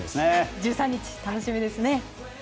１３日、楽しみですね。